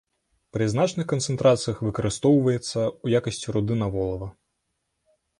Пры значных канцэнтрацыях выкарыстоўваецца ў якасці руды на волава.